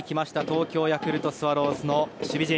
東京ヤクルトスワローズ守備陣。